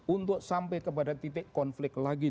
untuk sampai kepada titik konflik lagi